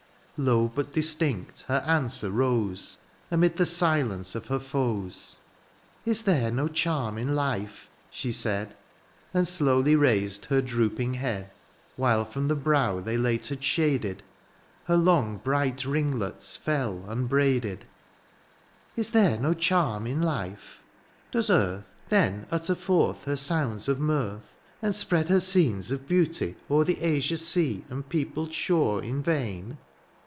Low, but distinct, her answer rose. Amid the silence of her foes. " Is there^^o charm in life," she said. And slowly raised her drooping head. While from the brow they late had shaded. THE AREOPAGITE. 73 Her long bright ringlets fell unbraided —'^ Is there no charm m life ? Does earthy "Then utter forth her sounds of mirth, *' And spread her scenes of beauty o^er " The azure sea and peopled shore " In vain